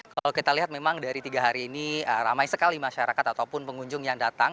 kalau kita lihat memang dari tiga hari ini ramai sekali masyarakat ataupun pengunjung yang datang